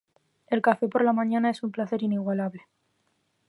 El café por la mañana es un placer inigualable.